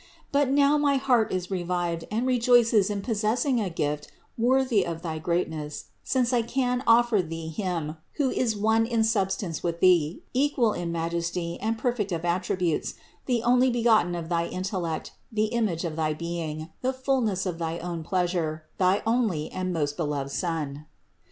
But now my heart is revived and rejoices in pos sessing a gift worthy of thy greatness, since I can offer Thee Him, who is one in substance with Thee, equal in majesty, and perfection of attributes, the Onlybegotten of thy intellect, the image of thy being, the fullness of 518 CITY OF GOD thy own pleasure, thy only and most beloved Son.